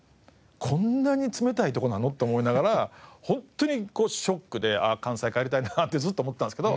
こんなに冷たいとこなの？って思いながらホントにショックで関西帰りたいなってずっと思ってたんですけど。